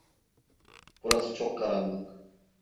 Burası çok karanlık.